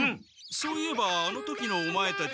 そういえばあの時のオマエたち。